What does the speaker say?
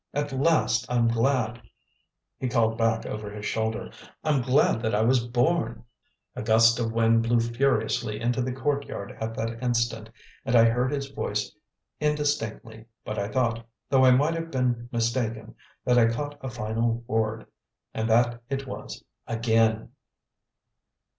"At last I'm glad," he called back over his shoulder, "I'm glad that I was born " A gust of wind blew furiously into the courtyard at that instant, and I heard his voice indistinctly, but I thought though I might have been mistaken that I caught a final word, and that it was "again."